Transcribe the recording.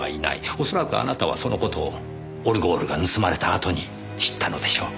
おそらくあなたはその事をオルゴールが盗まれたあとに知ったのでしょう。